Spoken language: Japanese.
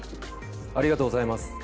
ありがとうございます。